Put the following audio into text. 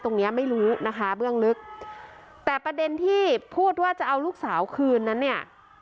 เนี้ยไม่รู้นะคะเบื้องลึกแต่ประเด็นที่พูดว่าจะเอาลูกสาวคืนนั้นเนี่ย